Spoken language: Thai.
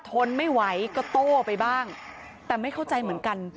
ทนไม่ไหวก็โต้ไปบ้างแต่ไม่เข้าใจเหมือนกัน